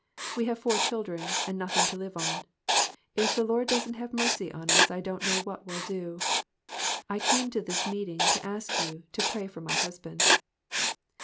We have four children, and nothing to live on. If the Lord doesn't have mercy on us, I don't know what we'll do. I came to this meet ing to ask you to pray for my husband."